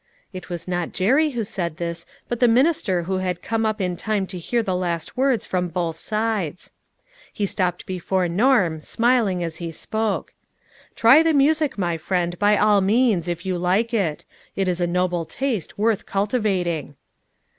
It was not Jerry who said this, but the minister who had come up in time to hear the last words from both sides. He stopped before Norm, smiling as he spoke. " Try the music, my friend, by all means, if you like it. It is a noble taste, worth cultivating."